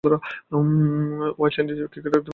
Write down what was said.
West Indies ক্রিকেটের তরুণ খেলোয়াড়দের অন্যতম তিনি।